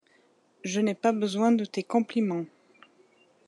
Je n’ai pas besoin de tes compliments.